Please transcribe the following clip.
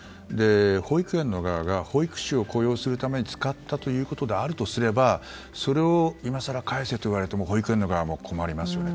保育園の側が保育士を雇用するために使ったということであればそれを今更返せと言われても保育園の側も困りますよね。